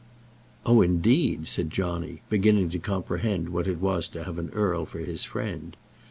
"Oh, indeed!" said Johnny, beginning to comprehend what it was to have an earl for his friend.